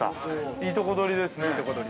◆いいとこ取りです。